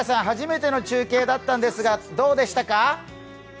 初めての中継だったんですがどうでしたか？